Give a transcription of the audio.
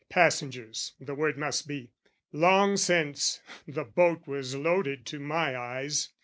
passengers, the word must be." Long since, the boat was loaded to my eyes.